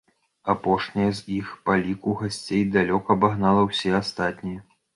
Апошняя з іх па ліку гасцей далёка абагнала ўсе астатнія.